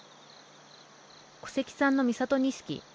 古関さんの美郷錦。